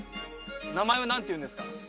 名前は何ていうんですか？